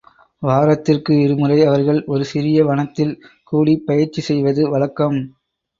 வாரத்திற்கு இருமுறை அவர்கள் ஒரு சிறிய வனத்தில் கூடிப் பயிற்சி செய்வது வழக்கம்.